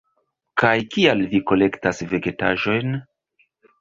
Kaj kial vi kolektas vegetaĵojn?